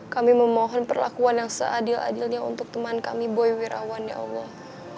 kami memohon perlakuan yang seadil adilnya untuk teman kami boy wirawan ya allah